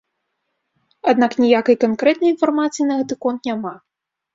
Аднак ніякай канкрэтнай інфармацыі на гэты конт няма.